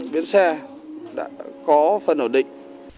biến xe đã có phần ổn định